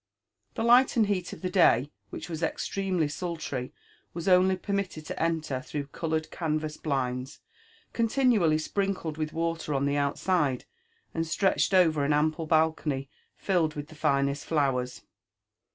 The light and heat of Ihe day, which waf ^xiremelY sultry, was only permitted to ^oter through coloured can vass blinds, continually sprinkled with water on the outside, and stretched over ao ample balcony filled with the finest Dowers.